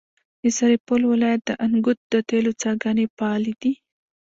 د سرپل ولایت د انګوت د تیلو څاګانې فعالې دي.